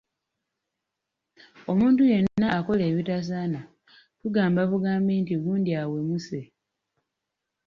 Omuntu yenna akola ebitasaana tugamba bugambi nti gundi awemuse.